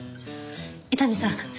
伊丹さん